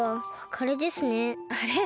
あれ？